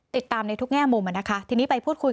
ติดตามในทุกแง่มุมอ่ะนะคะทีนี้ไปพูดคุย